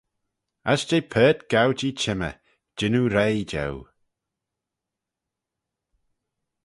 As jeh paart gow-jee chymmey, jannoo reih jeu.